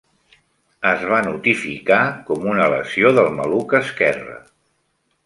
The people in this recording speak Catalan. Es va notificar com una lesió del maluc esquerre.